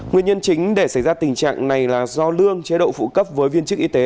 nguyên nhân chính để xảy ra tình trạng này là do lương chế độ phụ cấp với viên chức y tế